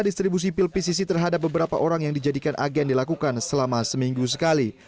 distribusi pil pcc terhadap beberapa orang yang dijadikan agen dilakukan selama seminggu sekali